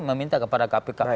meminta kepada kpk